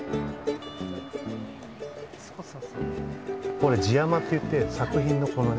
これ地山っていって作品のこのね